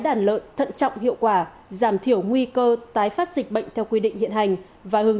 đàn lợn thận trọng hiệu quả giảm thiểu nguy cơ tái phát dịch bệnh theo quy định hiện hành và hướng